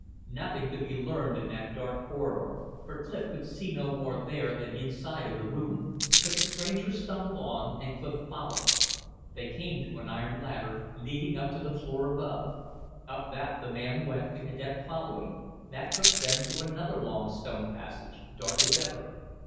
Nothing could be learned in that dark corridor, for Clif could see no more there than inside of the room. But the stranger stumbled on and Clif followed. They came to an iron ladder, leading up to the floor above. Up that the man went, the cadet following; that took them to another long stone passage, dark as ever.